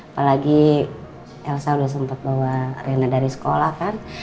apalagi elsa udah sempet bawa rena dari sekolah kan